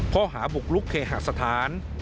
เพราะหาบุกลุกเคหาสถาน